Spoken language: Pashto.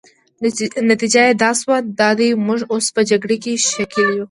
نتیجه يې دا شوه، دا دی موږ اوس په جګړه کې ښکېل یو.